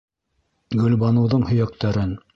Гөлбаныуҙың һөйәктәрен...